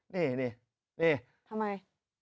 นี่นี่ทำไม